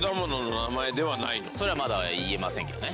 それはまだ言えませんけどね。